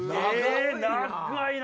長いな！